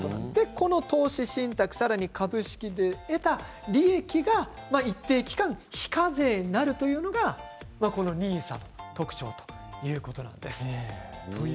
この投資信託さらには株式で得た利益が一定期間非課税になるというのがこのＮＩＳＡの特徴ということなんです。